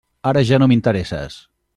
Ara ja no m'interesses.